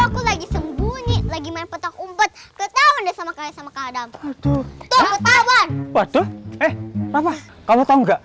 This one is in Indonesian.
aku lagi sembunyi lagi main petok umpet ketahuan sama sama kadang kadang